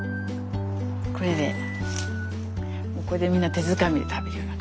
これでみんな手づかみで食べるような感じ。